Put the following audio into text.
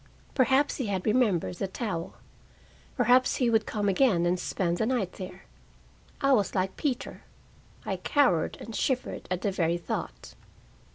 Perhaps he had remembered the towel. Perhaps he would come again and spend the night there. I was like Peter: I cowered and shivered at the very thought.